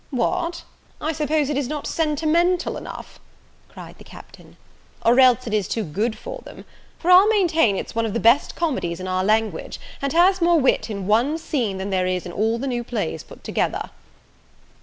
"What, I suppose it is not sentimental enough!" cried the Captain, "or else it is too good for them; for I'll maintain it's one of the best comedies in our language, and has more wit in one scene than there is in all the new plays put together."